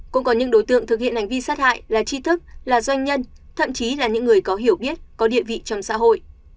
cũng có những đối tượng thực hiện hành vi sát hại là chi thức là doanh nhân thậm chí là những người có hiểu biết có địa vị trong xã hội